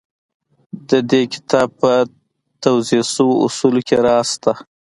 د دې کتاب په توضيح شويو اصولو کې راز شته.